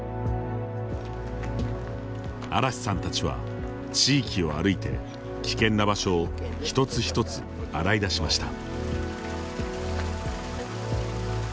嵐さんたちは、地域を歩いて危険な場所を一つ一つ洗い出しました。